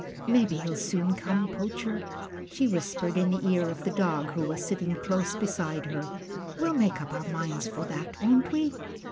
"Mebbe he'll soon come, Poacher," she whispered in the ear of the dog who was sitting close beside her. "We'll make up our minds for that, won't we?"